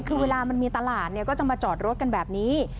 คือเวลามันมีตลาดเนี่ยก็จะมาจอดรถกันแบบนี้